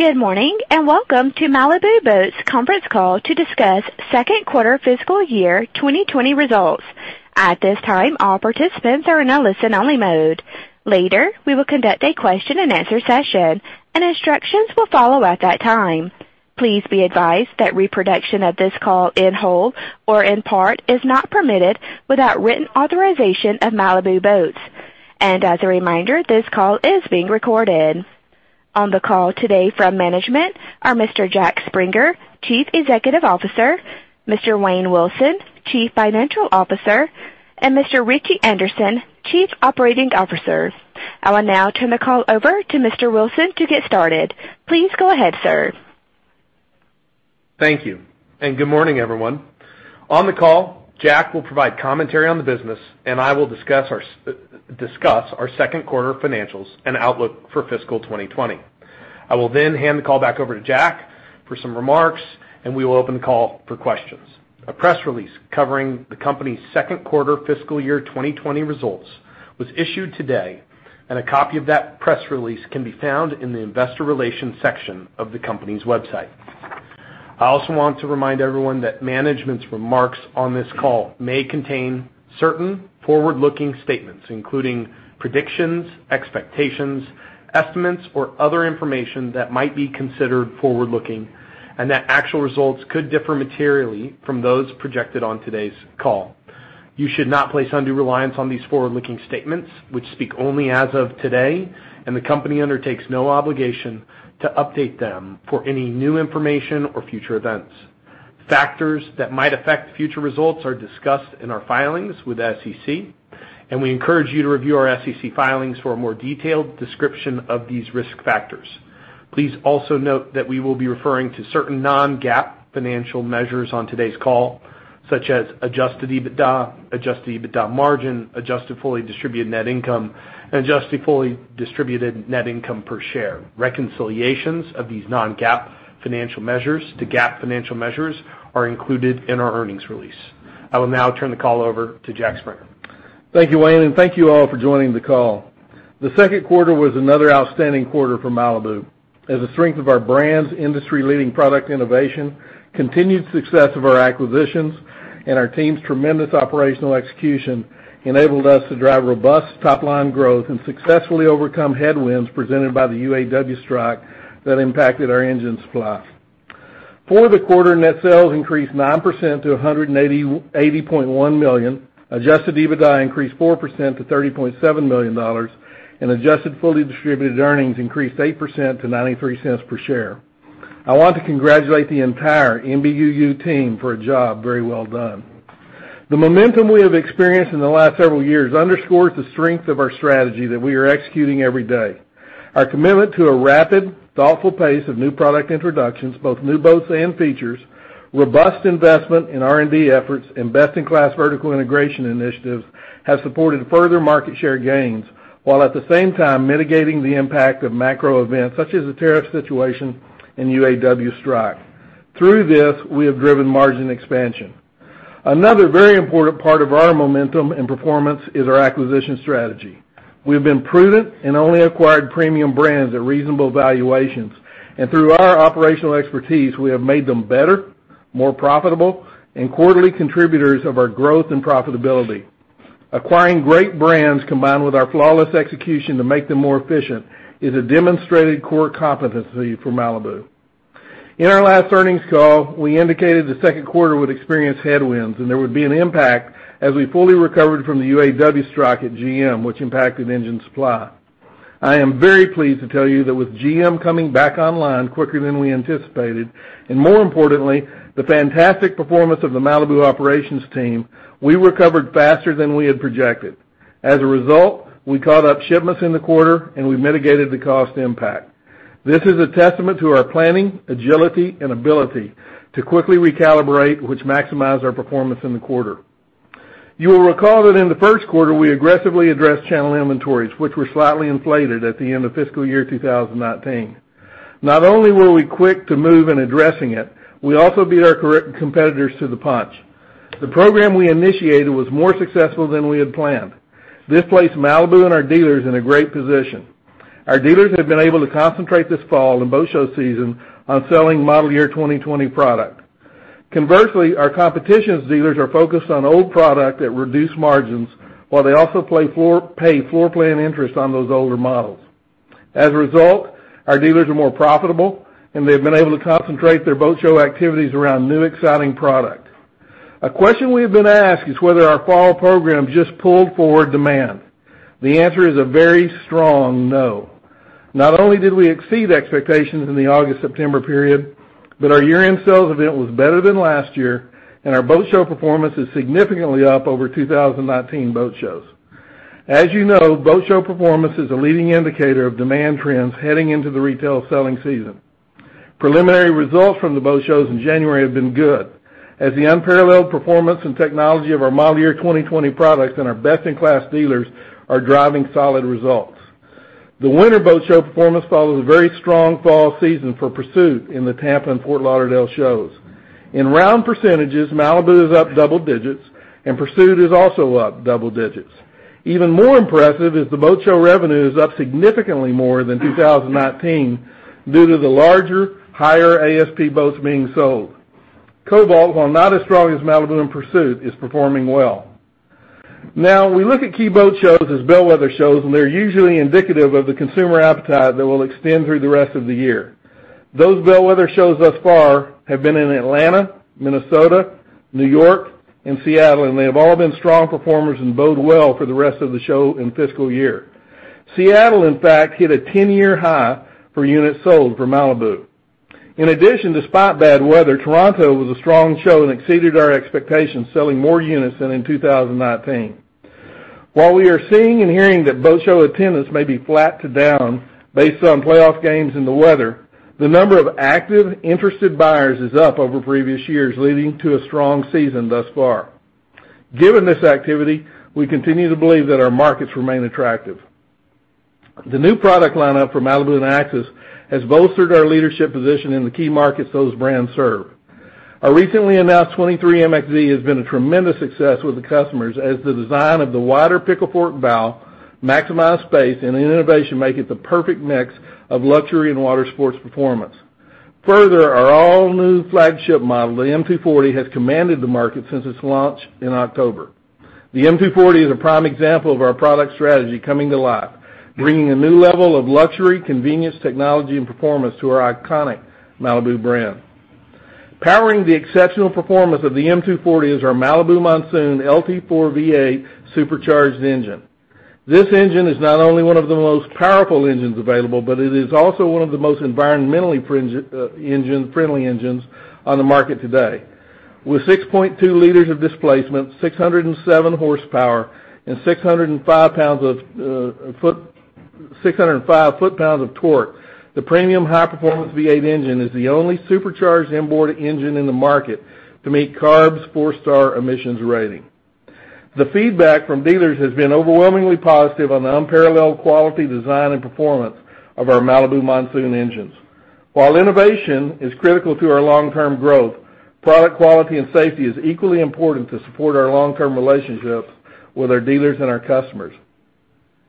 Good morning and welcome to Malibu Boats' conference call to discuss second quarter fiscal year 2020 results. At this time, all participants are in a listen-only mode. Later, we will conduct a question-and-answer session, and instructions will follow at that time. Please be advised that reproduction of this call in whole or in part is not permitted without written authorization of Malibu Boats, and as a reminder, this call is being recorded. On the call today from management are Mr. Jack Springer, Chief Executive Officer; Mr. Wayne Wilson, Chief Financial Officer; and Mr. Ritchie Anderson, Chief Operating Officer. I will now turn the call over to Mr. Wilson to get started. Please go ahead, sir. Thank you. Good morning everyone. On the call, Jack will provide commentary on the business, and I will discuss our second quarter financials and outlook for fiscal 2020. I will then hand the call back over to Jack for some remarks, and we will open the call for questions. A press release covering the company's second quarter fiscal year 2020 results was issued today, and a copy of that press release can be found in the investor relations section of the company's website. I also want to remind everyone that management's remarks on this call may contain certain forward-looking statements, including predictions, expectations, estimates, or other information that might be considered forward-looking, and that actual results could differ materially from those projected on today's call. You should not place undue reliance on these forward-looking statements, which speak only as of today, and the company undertakes no obligation to update them for any new information or future events. Factors that might affect future results are discussed in our filings with SEC, and we encourage you to review our SEC filings for a more detailed description of these risk factors. Please also note that we will be referring to certain non-GAAP financial measures on today's call, such as Adjusted EBITDA, Adjusted EBITDA margin, Adjusted Fully Distributed Net Income, and Adjusted Fully Distributed Net Income per share. Reconciliations of these non-GAAP financial measures to GAAP financial measures are included in our earnings release. I will now turn the call over to Jack Springer. Thank you, Wayne, and thank you all for joining the call. The second quarter was another outstanding quarter for Malibu. As the strength of our brand's industry-leading product innovation, continued success of our acquisitions, and our team's tremendous operational execution enabled us to drive robust top-line growth and successfully overcome headwinds presented by the UAW strike that impacted our engine supply. For the quarter, net sales increased 9% to $180.1 million, Adjusted EBITDA increased 4% to $30.7 million, and adjusted fully distributed earnings increased 8% to $0.93 per share. I want to congratulate the entire MBUU team for a job very well done. The momentum we have experienced in the last several years underscores the strength of our strategy that we are executing every day. Our commitment to a rapid, thoughtful pace of new product introductions, both new boats and features, robust investment in R&D efforts, and best-in-class vertical integration initiatives have supported further market share gains while at the same time mitigating the impact of macro events such as the tariff situation and UAW strike. Through this, we have driven margin expansion. Another very important part of our momentum and performance is our acquisition strategy. We have been prudent and only acquired premium brands at reasonable valuations, and through our operational expertise, we have made them better, more profitable, and quarterly contributors of our growth and profitability. Acquiring great brands combined with our flawless execution to make them more efficient is a demonstrated core competency for Malibu. In our last earnings call, we indicated the second quarter would experience headwinds, and there would be an impact as we fully recovered from the UAW strike at GM, which impacted engine supply. I am very pleased to tell you that with GM coming back online quicker than we anticipated, and more importantly, the fantastic performance of the Malibu operations team, we recovered faster than we had projected. As a result, we caught up shipments in the quarter, and we mitigated the cost impact. This is a testament to our planning, agility, and ability to quickly recalibrate, which maximized our performance in the quarter. You will recall that in the first quarter, we aggressively addressed channel inventories, which were slightly inflated at the end of fiscal year 2019. Not only were we quick to move in addressing it, we also beat our competitors to the punch. The program we initiated was more successful than we had planned. This placed Malibu and our dealers in a great position. Our dealers have been able to concentrate this fall and boat show season on selling model year 2020 product. Conversely, our competition's dealers are focused on old product at reduced margins while they also pay floor plan interest on those older models. As a result, our dealers are more profitable, and they have been able to concentrate their boat show activities around new exciting product. A question we have been asked is whether our fall program just pulled forward demand. The answer is a very strong no. Not only did we exceed expectations in the August-September period, but our year-end sales event was better than last year, and our boat show performance is significantly up over 2019 boat shows. As you know, boat show performance is a leading indicator of demand trends heading into the retail selling season. Preliminary results from the boat shows in January have been good, as the unparalleled performance and technology of our model year 2020 products and our best-in-class dealers are driving solid results. The winter boat show performance follows a very strong fall season for Pursuit in the Tampa and Fort Lauderdale shows. In round percentages, Malibu is up double digits, and Pursuit is also up double digits. Even more impressive is the boat show revenue is up significantly more than 2019 due to the larger, higher ASP boats being sold. Cobalt, while not as strong as Malibu and Pursuit, is performing well. Now, we look at key boat shows as bellwether shows, and they're usually indicative of the consumer appetite that will extend through the rest of the year. Those bellwether shows thus far have been in Atlanta, Minnesota, New York, and Seattle, and they have all been strong performers and bode well for the rest of the show and fiscal year. Seattle, in fact, hit a 10-year high for units sold for Malibu. In addition, despite bad weather, Toronto was a strong show and exceeded our expectations, selling more units than in 2019. While we are seeing and hearing that boat show attendance may be flat to down based on playoff games and the weather, the number of active, interested buyers is up over previous years, leading to a strong season thus far. Given this activity, we continue to believe that our markets remain attractive. The new product lineup from Malibu and Axis has bolstered our leadership position in the key markets those brands serve. Our recently announced 23 MXZ has been a tremendous success with the customers, as the design of the wider pickle fork bow, maximized space, and innovation make it the perfect mix of luxury and water sports performance. Further, our all-new flagship model, the M240, has commanded the market since its launch in October. The M240 is a prime example of our product strategy coming to life, bringing a new level of luxury, convenience, technology, and performance to our iconic Malibu brand. Powering the exceptional performance of the M240 is our Malibu Monsoon LT4 V8 supercharged engine. This engine is not only one of the most powerful engines available, but it is also one of the most environmentally friendly engines on the market today. With 6.2 liters of displacement, 607 horsepower, and 605 foot-pounds of torque, the premium high-performance V8 engine is the only supercharged inboard engine in the market to meet CARB's four-star emissions rating. The feedback from dealers has been overwhelmingly positive on the unparalleled quality, design, and performance of our Malibu Monsoon engines. While innovation is critical to our long-term growth, product quality and safety is equally important to support our long-term relationships with our dealers and our customers.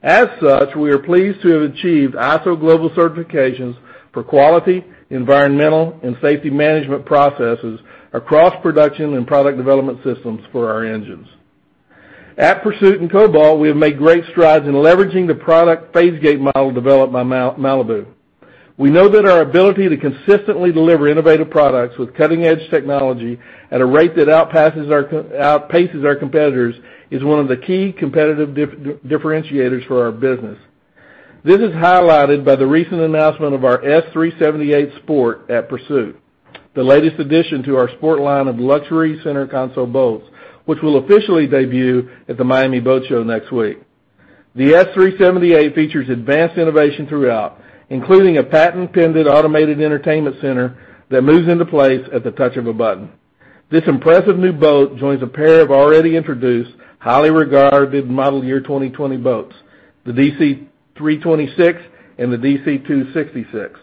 As such, we are pleased to have achieved ISO global certifications for quality, environmental, and safety management processes across production and product development systems for our engines. At Pursuit and Cobalt, we have made great strides in leveraging the product Phase-Gate model developed by Malibu. We know that our ability to consistently deliver innovative products with cutting-edge technology at a rate that outpaces our competitors is one of the key competitive differentiators for our business. This is highlighted by the recent announcement of our S 378 Sport at Pursuit, the latest addition to our sport line of luxury center console boats, which will officially debut at the Miami Boat Show next week. The S378 features advanced innovation throughout, including a patent-pending automated entertainment center that moves into place at the touch of a button. This impressive new boat joins a pair of already introduced, highly regarded model year 2020 boats, the DC 326 and the DC 266.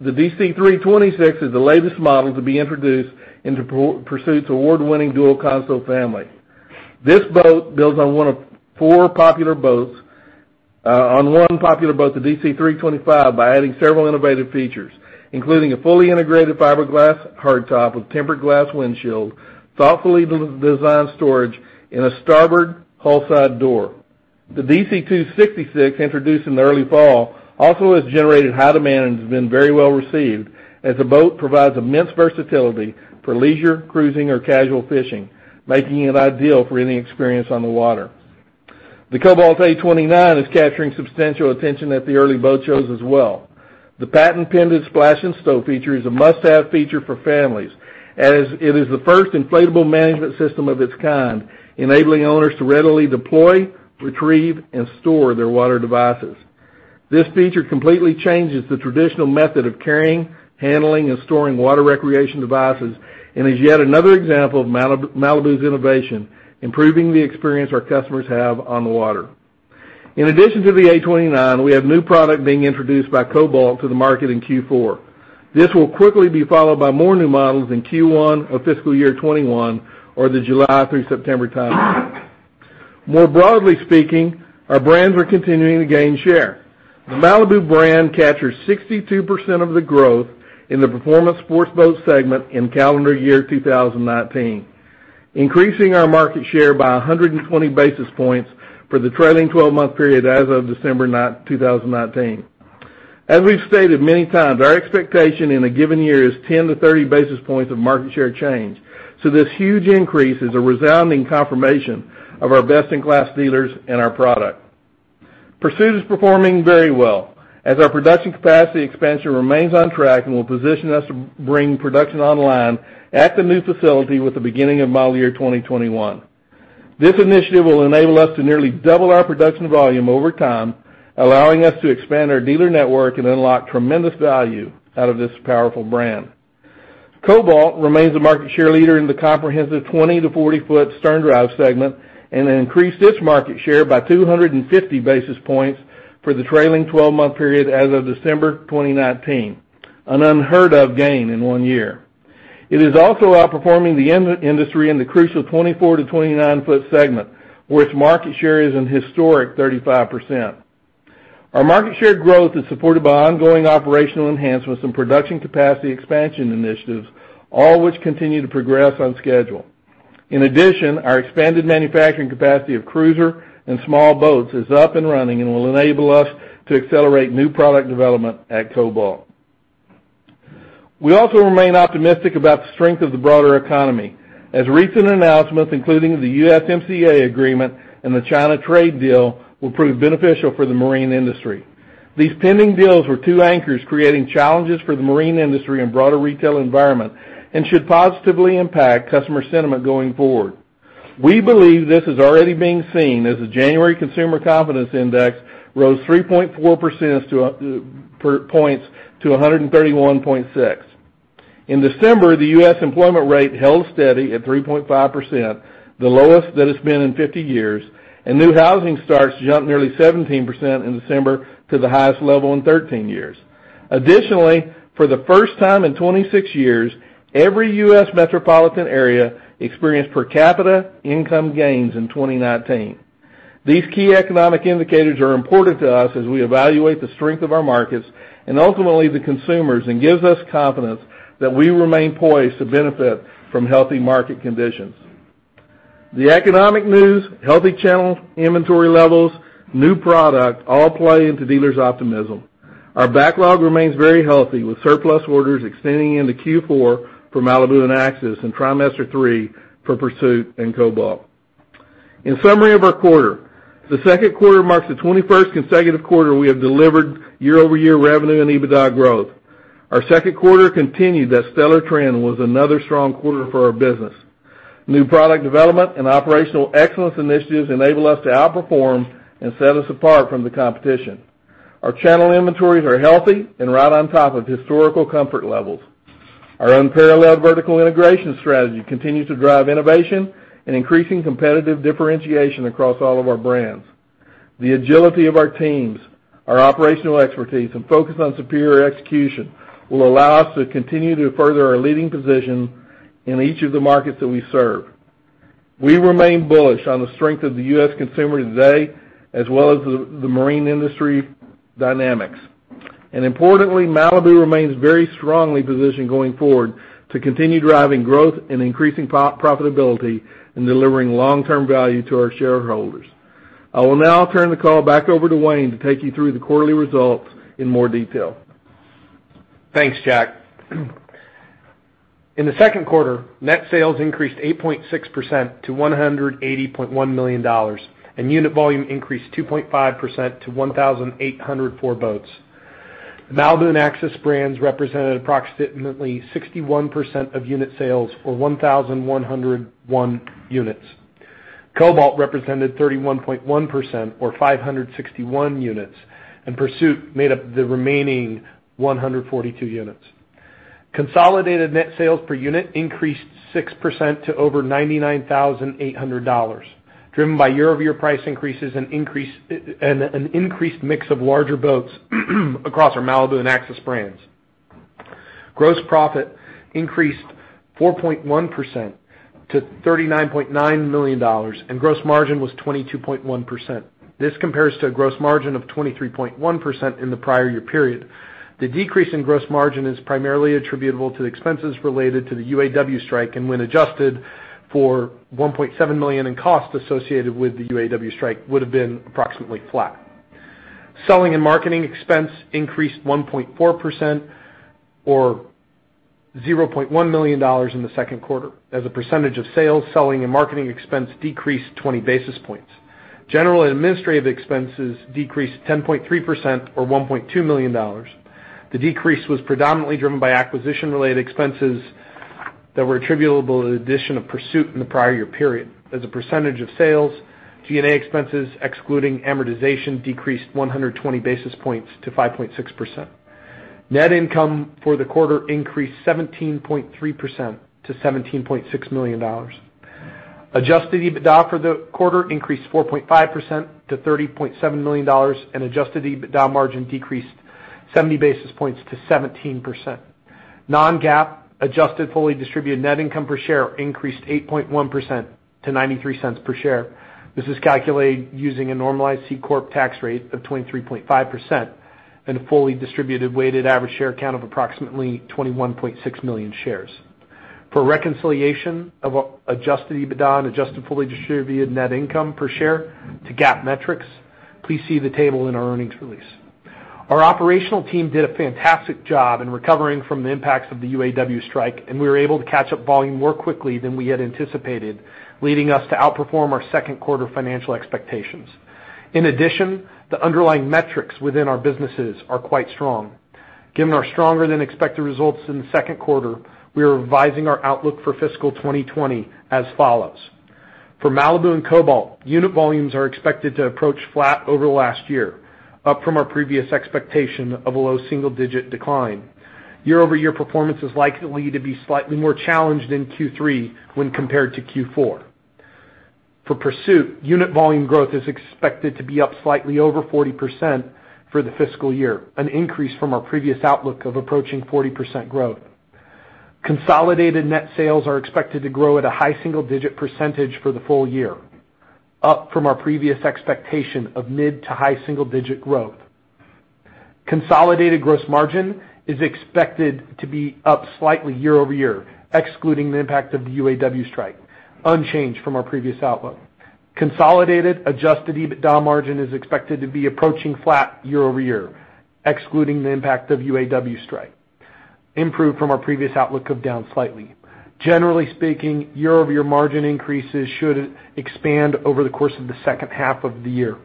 The DC 326 is the latest model to be introduced into Pursuit's award-winning dual console family. This boat builds on one of four popular boats, on one popular boat, the DC 325, by adding several innovative features, including a fully integrated fiberglass hardtop with tempered glass windshield, thoughtfully designed storage, and a starboard hull-side door. The DC266, introduced in the early fall, also has generated high demand and has been very well received, as the boat provides immense versatility for leisure, cruising, or casual fishing, making it ideal for any experience on the water. The Cobalt A29 is capturing substantial attention at the early boat shows as well. The patent-pending Splash and Stow feature is a must-have feature for families, as it is the first inflatable management system of its kind, enabling owners to readily deploy, retrieve, and store their water devices. This feature completely changes the traditional method of carrying, handling, and storing water recreation devices and is yet another example of Malibu's innovation, improving the experience our customers have on the water. In addition to the A29, we have new product being introduced by Cobalt to the market in Q4. This will quickly be followed by more new models in Q1 of fiscal year 2021 or the July through September timeframe. More broadly speaking, our brands are continuing to gain share. The Malibu brand captures 62% of the growth in the performance sports boat segment in calendar year 2019, increasing our market share by 120 basis points for the trailing 12-month period as of December 9, 2019. As we've stated many times, our expectation in a given year is 10 to 30 basis points of market share change, so this huge increase is a resounding confirmation of our best-in-class dealers and our product. Pursuit is performing very well, as our production capacity expansion remains on track and will position us to bring production online at the new facility with the beginning of model year 2021. This initiative will enable us to nearly double our production volume over time, allowing us to expand our dealer network and unlock tremendous value out of this powerful brand. Cobalt remains a market share leader in the comprehensive 20 to 40-foot sterndrive segment and increased its market share by 250 basis points for the trailing 12-month period as of December 2019, an unheard-of gain in one year. It is also outperforming the industry in the crucial 24- to 29-foot segment, where its market share is a historic 35%. Our market share growth is supported by ongoing operational enhancements and production capacity expansion initiatives, all of which continue to progress on schedule. In addition, our expanded manufacturing capacity of cruiser and small boats is up and running and will enable us to accelerate new product development at Cobalt. We also remain optimistic about the strength of the broader economy, as recent announcements, including the USMCA agreement and the China trade deal, will prove beneficial for the marine industry. These pending deals were two anchors creating challenges for the marine industry and broader retail environment and should positively impact customer sentiment going forward. We believe this is already being seen as the January consumer confidence index rose 3.4 points to 131.6. In December, the U.S. employment rate held steady at 3.5%, the lowest that it's been in 50 years, and new housing starts jumped nearly 17% in December to the highest level in 13 years. Additionally, for the first time in 26 years, every U.S. metropolitan area experienced per capita income gains in 2019. These key economic indicators are important to us as we evaluate the strength of our markets and ultimately the consumers and gives us confidence that we remain poised to benefit from healthy market conditions. The economic news, healthy channel inventory levels, new product all play into dealers' optimism. Our backlog remains very healthy, with surplus orders extending into Q4 for Malibu and Axis and trimester three for Pursuit and Cobalt. In summary of our quarter, the second quarter marks the 21st consecutive quarter we have delivered year-over-year revenue and EBITDA growth. Our second quarter continued that stellar trend and was another strong quarter for our business. New product development and operational excellence initiatives enable us to outperform and set us apart from the competition. Our channel inventories are healthy and right on top of historical comfort levels. Our unparalleled vertical integration strategy continues to drive innovation and increasing competitive differentiation across all of our brands. The agility of our teams, our operational expertise, and focus on superior execution will allow us to continue to further our leading position in each of the markets that we serve. We remain bullish on the strength of the U.S. consumer today, as well as the marine industry dynamics. And importantly, Malibu remains very strongly positioned going forward to continue driving growth and increasing profitability and delivering long-term value to our shareholders. I will now turn the call back over to Wayne to take you through the quarterly results in more detail. Thanks, Jack. In the second quarter, net sales increased 8.6% to $180.1 million and unit volume increased 2.5% to 1,804 boats. Malibu and Axis brands represented approximately 61% of unit sales, or 1,101 units. Cobalt represented 31.1%, or 561 units, and Pursuit made up the remaining 142 units. Consolidated net sales per unit increased 6% to over $99,800, driven by year-over-year price increases and an increased mix of larger boats across our Malibu and Axis brands. Gross profit increased 4.1% to $39.9 million, and gross margin was 22.1%. This compares to a gross margin of 23.1% in the prior year period. The decrease in gross margin is primarily attributable to expenses related to the UAW strike, and when adjusted for $1.7 million in costs associated with the UAW strike, would have been approximately flat. Selling and marketing expense increased 1.4%, or $0.1 million, in the second quarter. As a percentage of sales, selling and marketing expense decreased 20 basis points. General and administrative expenses decreased 10.3%, or $1.2 million. The decrease was predominantly driven by acquisition-related expenses that were attributable to the addition of Pursuit in the prior year period. As a percentage of sales, G&A expenses, excluding amortization, decreased 120 basis points to 5.6%. Net income for the quarter increased 17.3% to $17.6 million. Adjusted EBITDA for the quarter increased 4.5% to $30.7 million, and adjusted EBITDA margin decreased 70 basis points to 17%. Non-GAAP adjusted fully distributed net income per share increased 8.1% to $0.93 per share. This is calculated using a normalized C Corp tax rate of 23.5% and a fully distributed weighted average share count of approximately 21.6 million shares. For reconciliation of Adjusted EBITDA and Adjusted Fully Distributed Net Income per share to GAAP metrics, please see the table in our earnings release. Our operational team did a fantastic job in recovering from the impacts of the UAW strike, and we were able to catch up volume more quickly than we had anticipated, leading us to outperform our second quarter financial expectations. In addition, the underlying metrics within our businesses are quite strong. Given our stronger-than-expected results in the second quarter, we are revising our outlook for fiscal 2020 as follows. For Malibu and Cobalt, unit volumes are expected to approach flat over the last year, up from our previous expectation of a low single-digit decline. Year-over-year performance is likely to be slightly more challenged in Q3 when compared to Q4. For Pursuit, unit volume growth is expected to be up slightly over 40% for the fiscal year, an increase from our previous outlook of approaching 40% growth. Consolidated net sales are expected to grow at a high single-digit % for the full year, up from our previous expectation of mid- to high single-digit % growth. Consolidated gross margin is expected to be up slightly year-over-year, excluding the impact of the UAW strike, unchanged from our previous outlook. Consolidated adjusted EBITDA margin is expected to be approaching flat year-over-year, excluding the impact of UAW strike, improved from our previous outlook of down slightly. Generally speaking, year-over-year margin increases should expand over the course of the second half of the year.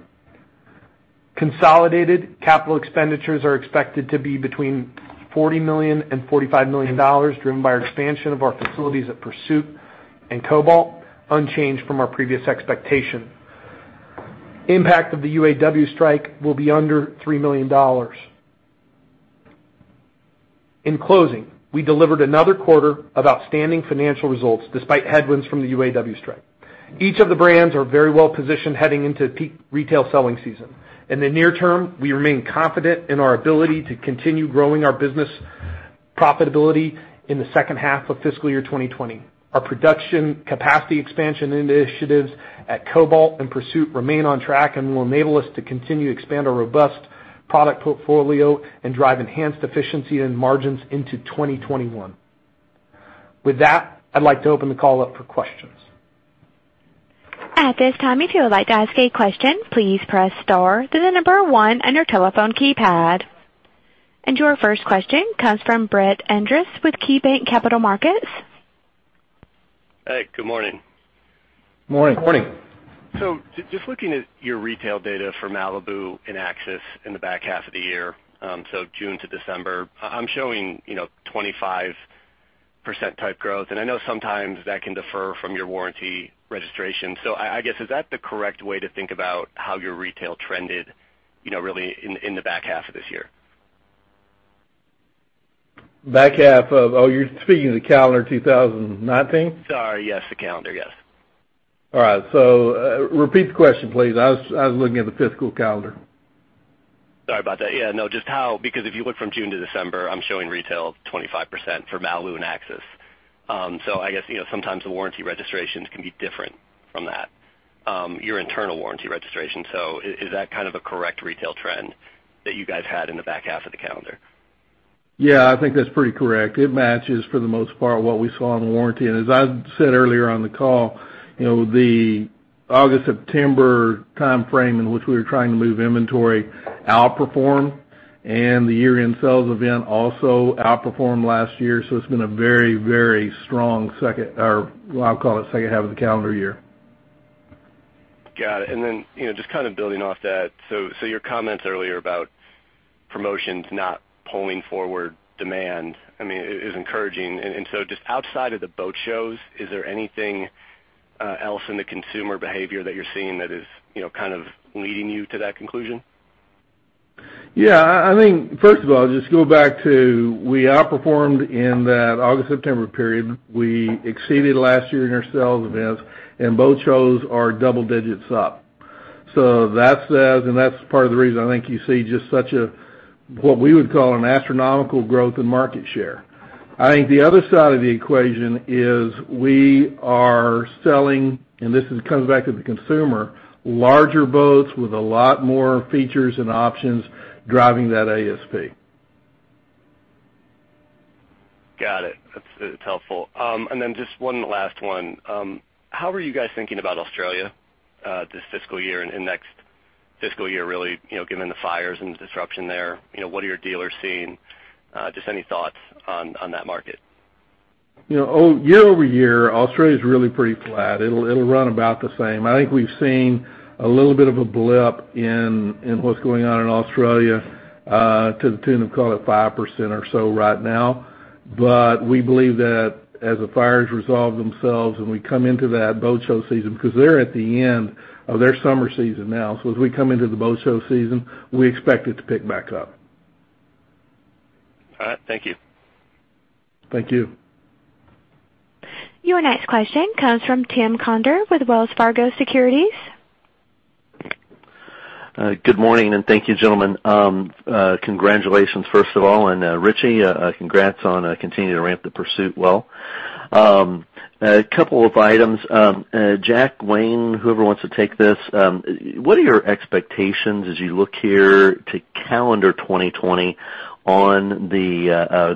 Consolidated capital expenditures are expected to be between $40 million and $45 million, driven by expansion of our facilities at Pursuit and Cobalt, unchanged from our previous expectation. Impact of the UAW strike will be under $3 million. In closing, we delivered another quarter of outstanding financial results despite headwinds from the UAW strike. Each of the brands are very well positioned heading into peak retail selling season. In the near term, we remain confident in our ability to continue growing our business profitability in the second half of fiscal year 2020. Our production capacity expansion initiatives at Cobalt and Pursuit remain on track and will enable us to continue to expand our robust product portfolio and drive enhanced efficiency and margins into 2021. With that, I'd like to open the call up for questions. At this time, if you would like to ask a question, please press star to the number one on your telephone keypad. And your first question comes from Brett Andress with KeyBanc Capital Markets. Hi. Good morning. Morning. Morning. So just looking at your retail data for Malibu and Axis in the back half of the year, so June to December, I'm showing 25% type growth. And I know sometimes that can differ from your warranty registration. So I guess, is that the correct way to think about how your retail trended really in the back half of this year? Back half of oh, you're speaking of the calendar 2019? Sorry. Yes, the calendar. Yes. All right. So repeat the question, please. I was looking at the fiscal calendar. Sorry about that. Yeah. No, just how, because if you look from June to December, I'm showing retail 25% for Malibu and Axis. So I guess sometimes the warranty registrations can be different from that, your internal warranty registration. So is that kind of a correct retail trend that you guys had in the back half of the calendar? Yeah. I think that's pretty correct. It matches for the most part what we saw in the warranty. And as I said earlier on the call, the August-September time frame in which we were trying to move inventory outperformed, and the year-end sales event also outperformed last year. So it's been a very, very strong second or I'll call it second half of the calendar year. Got it. And then just kind of building off that, so your comments earlier about promotions not pulling forward demand, I mean, is encouraging. And so just outside of the boat shows, is there anything else in the consumer behavior that you're seeing that is kind of leading you to that conclusion? Yeah. I think, first of all, just go back to we outperformed in that August-September period. We exceeded last year in our sales events, and boat shows are double digits up. So that says, and that's part of the reason I think you see just such a what we would call an astronomical growth in market share. I think the other side of the equation is we are selling, and this comes back to the consumer, larger boats with a lot more features and options driving that ASP. Got it. That's helpful. And then just one last one. How are you guys thinking about Australia this fiscal year and next fiscal year, really, given the fires and disruption there? What are your dealers seeing? Just any thoughts on that market? Oh, year-over-year, Australia is really pretty flat. It'll run about the same. I think we've seen a little bit of a blip in what's going on in Australia to the tune of, call it, 5% or so right now. But we believe that as the fires resolve themselves and we come into that boat show season because they're at the end of their summer season now. So as we come into the boat show season, we expect it to pick back up. All right. Thank you. Thank you. Your next question comes from Tim Conder with Wells Fargo Securities. Good morning, and thank you, gentlemen. Congratulations, first of all, and Ritchie, congrats on continuing to ramp the Pursuit well. A couple of items. Jack, Wayne, whoever wants to take this, what are your expectations as you look here to calendar 2020 on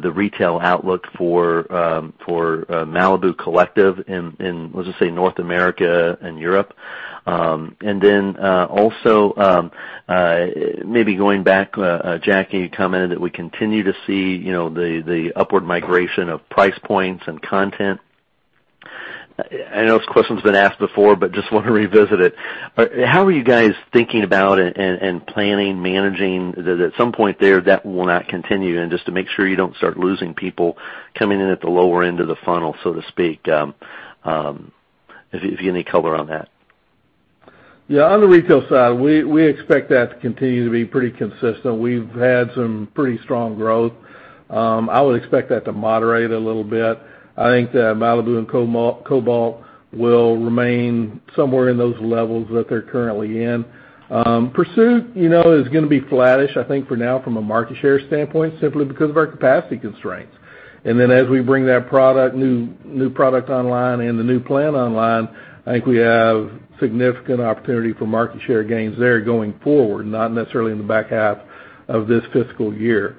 the retail outlook for Malibu Collective in, let's just say, North America and Europe? And then also, maybe going back, Jack, you commented that we continue to see the upward migration of price points and content. I know this question's been asked before, but just want to revisit it. How are you guys thinking about and planning, managing that at some point there that will not continue and just to make sure you don't start losing people coming in at the lower end of the funnel, so to speak, if you have any color on that? Yeah. On the retail side, we expect that to continue to be pretty consistent. We've had some pretty strong growth. I would expect that to moderate a little bit. I think that Malibu and Cobalt will remain somewhere in those levels that they're currently in. Pursuit is going to be flattish, I think, for now from a market share standpoint, simply because of our capacity constraints. And then as we bring that new product online and the new plant online, I think we have significant opportunity for market share gains there going forward, not necessarily in the back half of this fiscal year.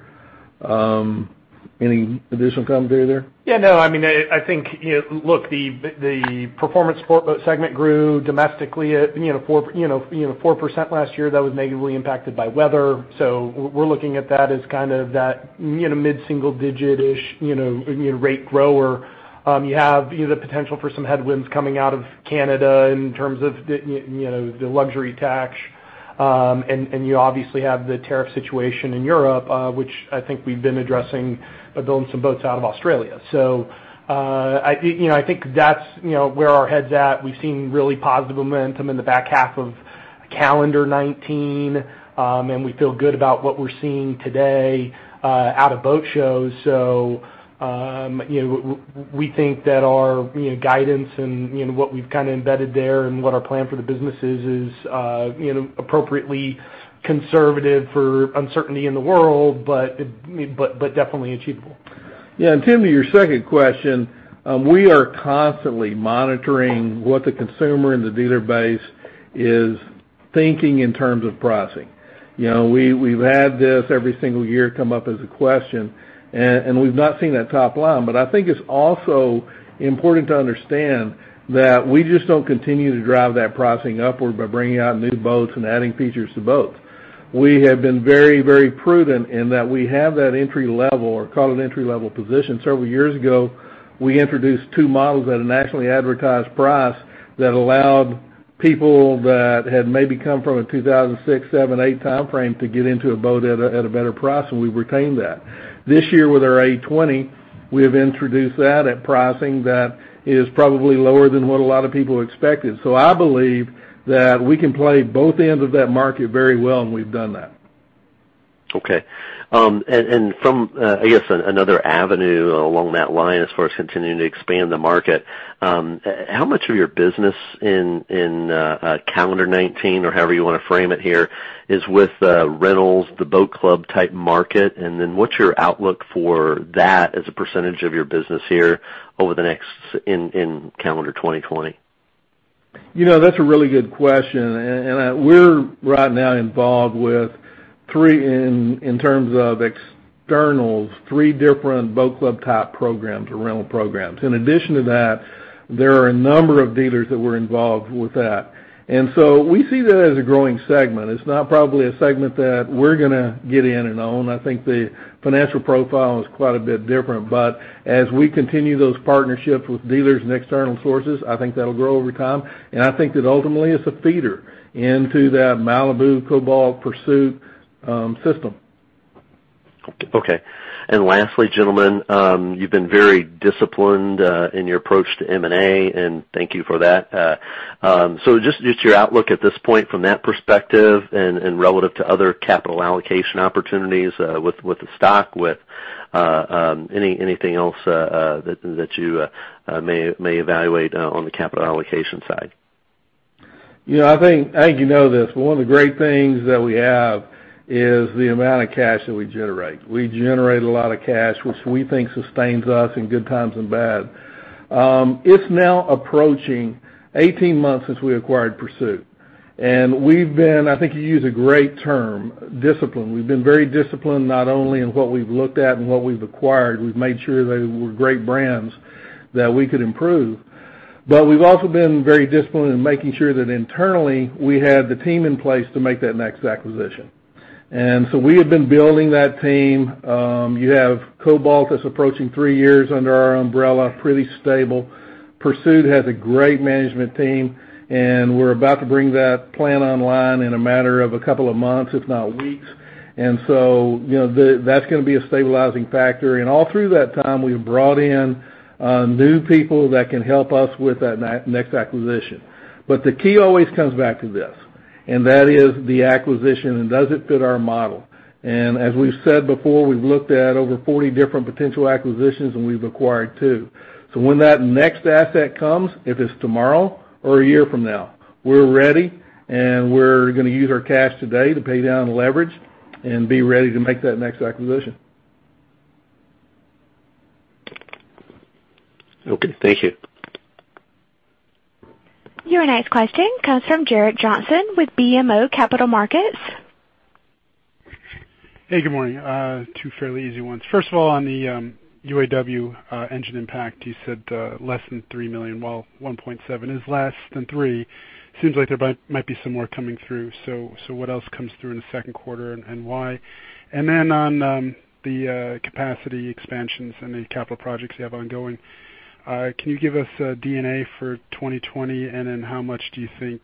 Any additional commentary there? Yeah. No. I mean, I think, look, the performance segment grew domestically at 4% last year. That was negatively impacted by weather. So we're looking at that as kind of that mid-single-digit-ish rate grower. You have the potential for some headwinds coming out of Canada in terms of the luxury tax. And you obviously have the tariff situation in Europe, which I think we've been addressing by building some boats out of Australia. So I think that's where our head's at. We've seen really positive momentum in the back half of calendar 2019, and we feel good about what we're seeing today out of boat shows. So we think that our guidance and what we've kind of embedded there and what our plan for the business is is appropriately conservative for uncertainty in the world, but definitely achievable. Yeah. And Tim, to your second question, we are constantly monitoring what the consumer and the dealer base is thinking in terms of pricing. We've had this every single year come up as a question, and we've not seen that top line. But I think it's also important to understand that we just don't continue to drive that pricing upward by bringing out new boats and adding features to boats. We have been very, very prudent in that we have that entry-level or call it entry-level position. Several years ago, we introduced two models at a nationally advertised price that allowed people that had maybe come from a 2006, 2007, 2008 time frame to get into a boat at a better price, and we've retained that. This year with our A20, we have introduced that at pricing that is probably lower than what a lot of people expected. So I believe that we can play both ends of that market very well, and we've done that. Okay. From, I guess, another avenue along that line as far as continuing to expand the market, how much of your business in calendar 2019 or however you want to frame it here is with rentals, the boat club type market? What's your outlook for that as a percentage of your business here over the next in calendar 2020? That's a really good question. We're right now involved with, in terms of externals, three different boat club type programs or rental programs. In addition to that, there are a number of dealers that were involved with that. We see that as a growing segment. It's not probably a segment that we're going to get in and own. I think the financial profile is quite a bit different. As we continue those partnerships with dealers and external sources, I think that'll grow over time. And I think that ultimately it's a feeder into that Malibu Cobalt Pursuit system. Okay. And lastly, gentlemen, you've been very disciplined in your approach to M&A, and thank you for that. So just your outlook at this point from that perspective and relative to other capital allocation opportunities with the stock, with anything else that you may evaluate on the capital allocation side. Yeah. I think you know this. One of the great things that we have is the amount of cash that we generate. We generate a lot of cash, which we think sustains us in good times and bad. It's now approaching 18 months since we acquired Pursuit. And we've been, I think you use a great term, disciplined. We've been very disciplined not only in what we've looked at and what we've acquired. We've made sure they were great brands that we could improve. But we've also been very disciplined in making sure that internally we had the team in place to make that next acquisition. And so we have been building that team. You have Cobalt that's approaching three years under our umbrella, pretty stable. Pursuit has a great management team, and we're about to bring that plant online in a matter of a couple of months, if not weeks. And so that's going to be a stabilizing factor. And all through that time, we've brought in new people that can help us with that next acquisition. But the key always comes back to this, and that is the acquisition, and does it fit our model? And as we've said before, we've looked at over 40 different potential acquisitions, and we've acquired two. So when that next asset comes, if it's tomorrow or a year from now, we're ready, and we're going to use our cash today to pay down leverage and be ready to make that next acquisition. Okay. Thank you. Your next question comes from Gerrick Johnson with BMO Capital Markets. Hey. Good morning. Two fairly easy ones. First of all, on the UAW engine impact, you said less than $3 million. Well, $1.7 million is less than $3 million. Seems like there might be some more coming through. So what else comes through in the second quarter and why? And then on the capacity expansions and the capital projects you have ongoing, can you give us D&A for 2020, and then how much do you think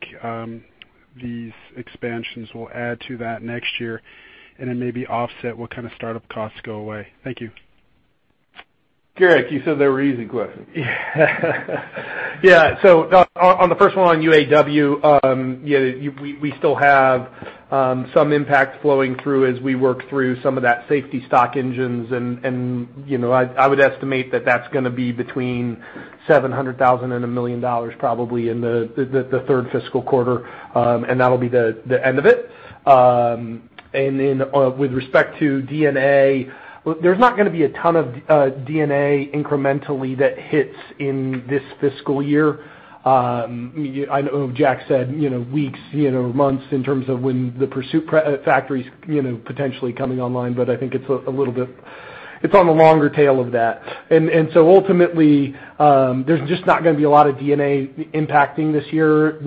these expansions will add to that next year and then maybe offset what kind of startup costs go away? Thank you. Gerrick, you said they were easy questions. Yeah. So on the first one on UAW, yeah, we still have some impact flowing through as we work through some of that safety stock engines. And I would estimate that that's going to be between $700,000 and $1 million probably in the third fiscal quarter, and that'll be the end of it. And then with respect to D&A, there's not going to be a ton of D&A incrementally that hits in this fiscal year. I know Jack said weeks, months in terms of when the Pursuit factory's potentially coming online, but I think it's a little bit on the longer tail of that. And so ultimately, there's just not going to be a lot of D&A impacting this year,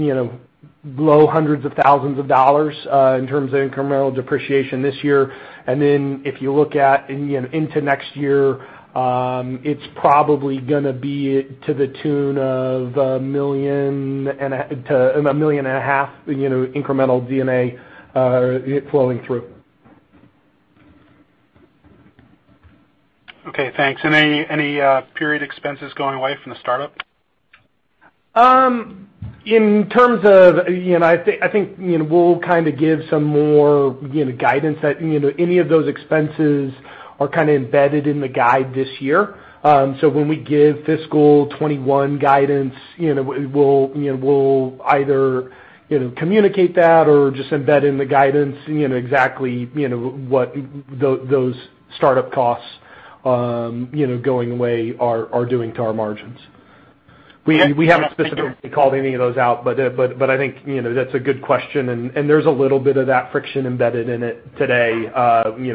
below hundreds of thousands of dollars in terms of incremental depreciation this year. Then if you look into next year, it's probably going to be to the tune of 1.5 million incremental D&A flowing through. Okay. Thanks. And any period expenses going away from the startup? In terms of, I think we'll kind of give some more guidance that any of those expenses are kind of embedded in the guide this year. So when we give fiscal 2021 guidance, we'll either communicate that or just embed in the guidance exactly what those startup costs going away are doing to our margins. We haven't specifically called any of those out, but I think that's a good question. And there's a little bit of that friction embedded in it today.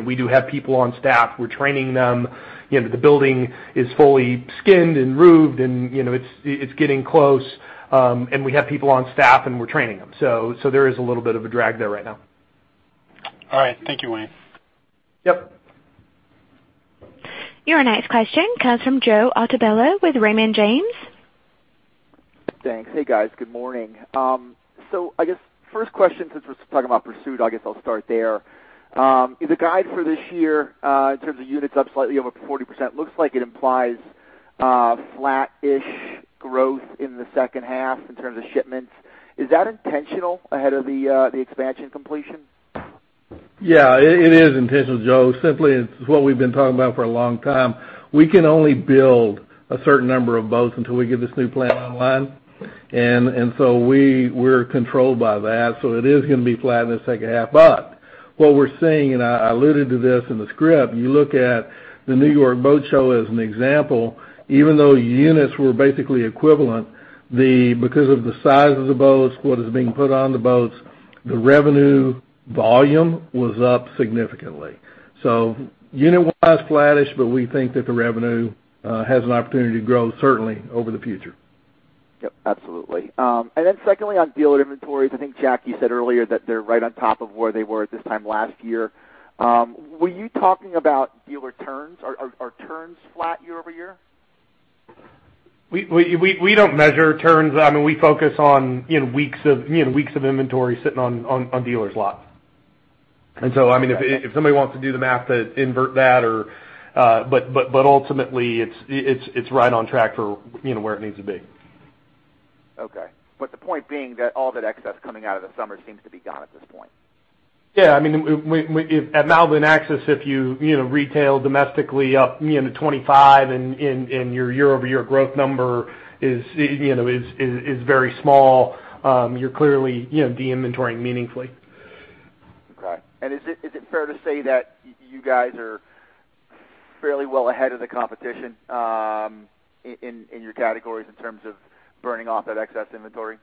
We do have people on staff. We're training them. The building is fully skinned and roofed, and it's getting close. So there is a little bit of a drag there right now. All right. Thank you, Wayne. Yep. Your next question comes from Joe Altobello with Raymond James. Thanks. Hey, guys. Good morning. So I guess first question, since we're talking about Pursuit, I guess I'll start there. The guide for this year, in terms of units up slightly over 40%, looks like it implies flat-ish growth in the second half in terms of shipments. Is that intentional ahead of the expansion completion? Yeah. It is intentional, Joe. Simply, it's what we've been talking about for a long time. We can only build a certain number of boats until we get this new plant online. And so we're controlled by that. So it is going to be flat in the second half. But what we're seeing, and I alluded to this in the script, you look at the New York Boat Show as an example, even though units were basically equivalent, because of the size of the boats, what is being put on the boats, the revenue volume was up significantly. So unit-wise, flat-ish, but we think that the revenue has an opportunity to grow certainly over the future. Yep. Absolutely. And then secondly, on dealer inventories, I think, Jack, you said earlier that they're right on top of where they were at this time last year. Were you talking about dealer turns? Are turns flat year over year? We don't measure turns. I mean, we focus on weeks of inventory sitting on dealers' lots. And so, I mean, if somebody wants to do the math to invert that, but ultimately, it's right on track for where it needs to be. Okay. But the point being that all that excess coming out of the summer seems to be gone at this point. Yeah. I mean, at Axis, if you retail domestically up to 25 and your year-over-year growth number is very small, you're clearly de-inventorying meaningfully. Okay. And is it fair to say that you guys are fairly well ahead of the competition in your categories in terms of burning off that excess inventory?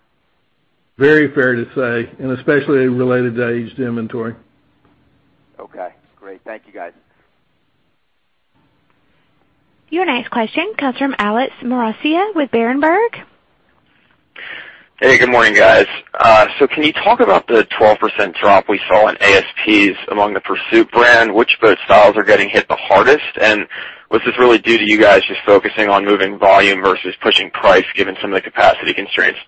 Very fair to say, and especially related to aged inventory. Okay. Great. Thank you, guys. Your next question comes from Alex Maroccia with Berenberg. Hey. Good morning, guys. So can you talk about the 12% drop we saw in ASPs among the Pursuit brand? Which boat styles are getting hit the hardest? And was this really due to you guys just focusing on moving volume versus pushing price given some of the capacity constraints?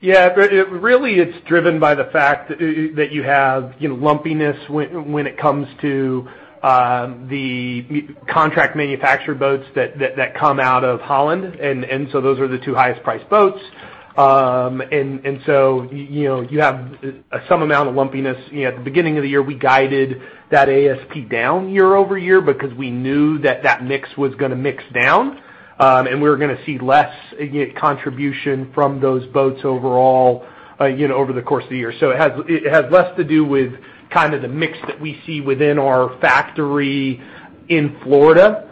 Yeah. Really, it's driven by the fact that you have lumpiness when it comes to the contract manufacturer boats that come out of Holland, and so those are the two highest-priced boats, and so you have some amount of lumpiness. At the beginning of the year, we guided that ASP down year over year because we knew that that mix was going to mix down, and we were going to see less contribution from those boats overall over the course of the year, so it has less to do with kind of the mix that we see within our factory in Florida,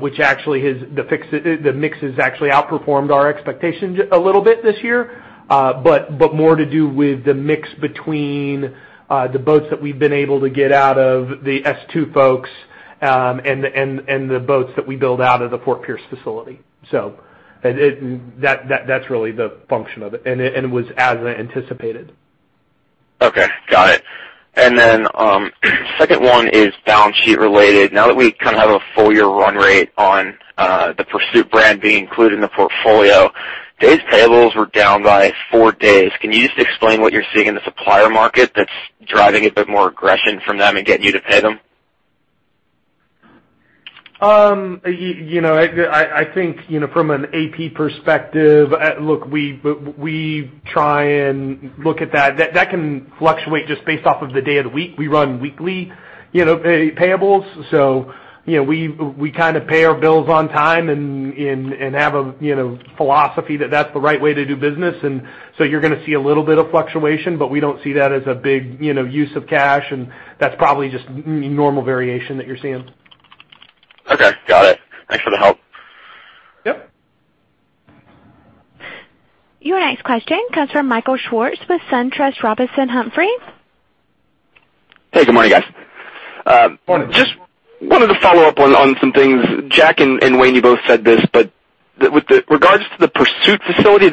which actually has the mixes actually outperformed our expectations a little bit this year, but more to do with the mix between the boats that we've been able to get out of the S2 folks and the boats that we build out of the Fort Pierce facility. So that's really the function of it, and it was as anticipated. Okay. Got it. And then second one is balance sheet related. Now that we kind of have a full year run rate on the Pursuit brand being included in the portfolio, days payables were down by four days. Can you just explain what you're seeing in the supplier market that's driving a bit more aggression from them and getting you to pay them? I think from an AP perspective, look, we try and look at that. That can fluctuate just based off of the day of the week. We run weekly payables. So we kind of pay our bills on time and have a philosophy that that's the right way to do business. And so you're going to see a little bit of fluctuation, but we don't see that as a big use of cash, and that's probably just normal variation that you're seeing. Okay. Got it. Thanks for the help. Yep. Your next question comes from Michael Swartz with SunTrust Robinson Humphrey. Hey. Good morning, guys. Good morning. Just wanted to follow up on some things. Jack and Wayne, you both said this, but with regards to the Pursuit facility,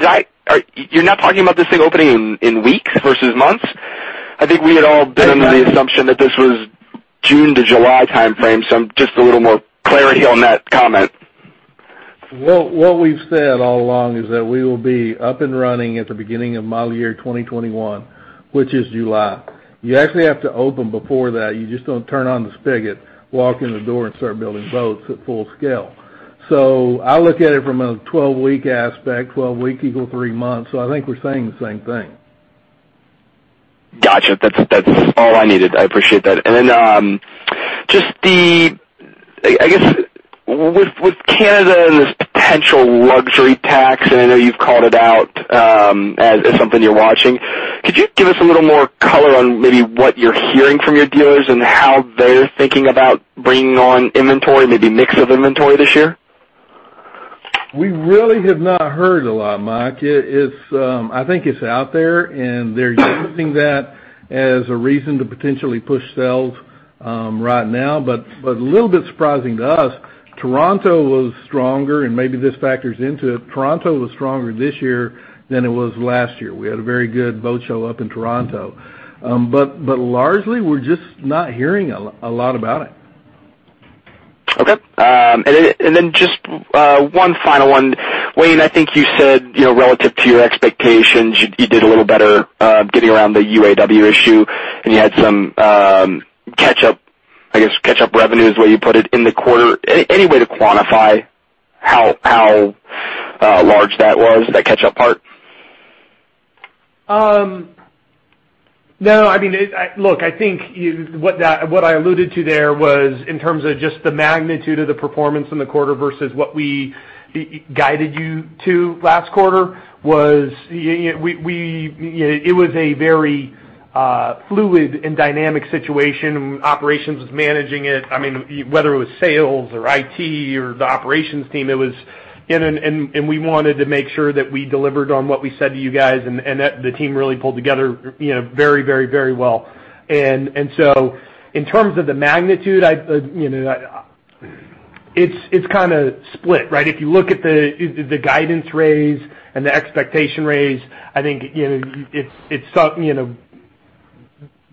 you're not talking about this thing opening in weeks versus months? I think we had all been under the assumption that this was June to July timeframe, so I'm just a little more clarity on that comment. What we've said all along is that we will be up and running at the beginning of model year 2021, which is July. You actually have to open before that. You just don't turn on the spigot, walk in the door, and start building boats at full scale. So I look at it from a 12-week aspect. 12 weeks equals three months. So I think we're saying the same thing. Gotcha. That's all I needed. I appreciate that. And then just the, I guess, with Canada and this potential luxury tax, and I know you've called it out as something you're watching, could you give us a little more color on maybe what you're hearing from your dealers and how they're thinking about bringing on inventory, maybe mix of inventory this year? We really have not heard a lot, Mike. I think it's out there, and they're using that as a reason to potentially push sales right now. But a little bit surprising to us, Toronto was stronger, and maybe this factors into it. Toronto was stronger this year than it was last year. We had a very good boat show up in Toronto. But largely, we're just not hearing a lot about it. Okay. And then just one final one. Wayne, I think you said relative to your expectations, you did a little better getting around the UAW issue, and you had some, I guess, catch-up revenue is the way you put it, in the quarter. Any way to quantify how large that was, that catch-up part? No. I mean, look, I think what I alluded to there was in terms of just the magnitude of the performance in the quarter versus what we guided you to last quarter. It was a very fluid and dynamic situation. Operations was managing it. I mean, whether it was sales or IT or the operations team, it was in, and we wanted to make sure that we delivered on what we said to you guys, and the team really pulled together very, very, very well. And so in terms of the magnitude, it's kind of split, right? If you look at the guidance raise and the expectation raise, I think it's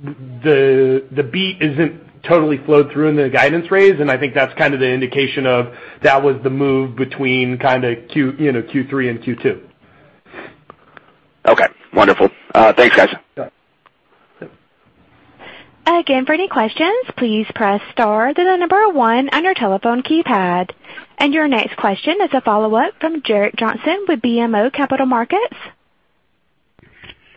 the beat isn't totally flowed through in the guidance raise, and I think that's kind of the indication of that was the move between kind of Q3 and Q2. Okay. Wonderful. Thanks, guys. Again, for any questions, please press star to the number one on your telephone keypad. And your next question is a follow-up from Gerrick Johnson with BMO Capital Markets.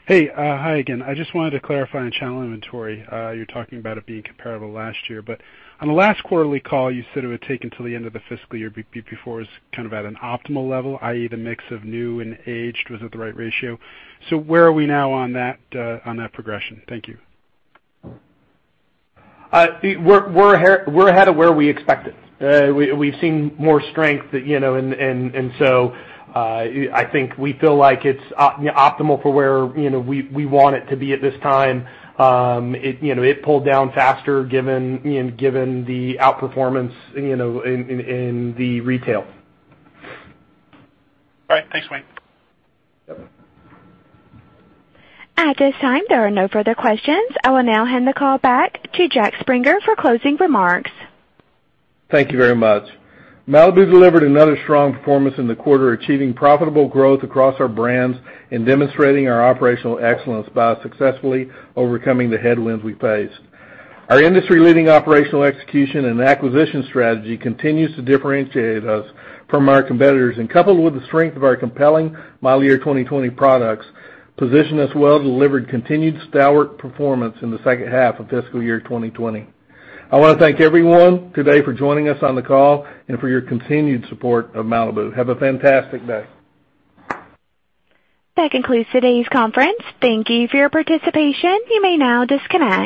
Hey. Hi again. I just wanted to clarify on channel inventory. You're talking about it being comparable last year. But on the last quarterly call, you said it would take until the end of the fiscal year before it was kind of at an optimal level, i.e., the mix of new and aged was at the right ratio. So where are we now on that progression? Thank you. We're ahead of where we expected. We've seen more strength, and so I think we feel like it's optimal for where we want it to be at this time. It pulled down faster given the outperformance in the retail. All right. Thanks, Wayne. At this time, there are no further questions. I will now hand the call back to Jack Springer for closing remarks. Thank you very much. Malibu delivered another strong performance in the quarter, achieving profitable growth across our brands and demonstrating our operational excellence by successfully overcoming the headwinds we faced. Our industry-leading operational execution and acquisition strategy continues to differentiate us from our competitors, and coupled with the strength of our compelling model year 2020 products, positions us well to deliver continued stalwart performance in the second half of fiscal year 2020. I want to thank everyone today for joining us on the call and for your continued support of Malibu. Have a fantastic day. That concludes today's conference. Thank you for your participation. You may now disconnect.